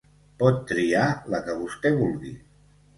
Pot triar la que vostè vulgui.